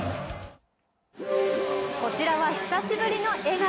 こちらは久しぶりの笑顔。